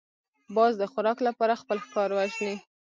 باز د خوراک لپاره خپل ښکار وژني